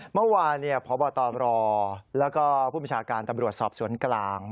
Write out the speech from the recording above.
เมื่อวานพบตรแล้วก็ผู้บัญชาการตำรวจสอบสวนกลาง